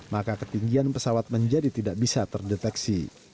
maka ketinggian pesawat menjadi tidak bisa terdeteksi